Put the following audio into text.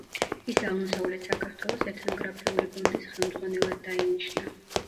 ის აღმოსავლეთ საქართველოს ეთნოგრაფიული გუნდის ხელმძღვანელად დაინიშნა.